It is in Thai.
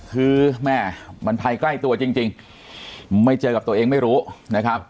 คือแม่มันภัยใกล้ตัวจริงไม่เจอกับตัวเองไม่รู้นะครับ